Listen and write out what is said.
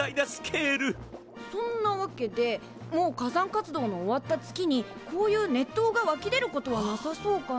そんなわけでもう火山活動の終わった月にこういう熱湯がわき出ることはなさそうかな。